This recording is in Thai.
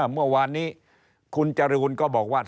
เมื่อวานนี้คุณจรูนก็บอกว่า